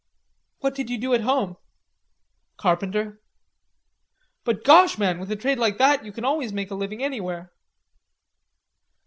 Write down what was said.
"What did you do at home?" "Carpenter." "But gosh, man, with a trade like that you can always make a living anywhere."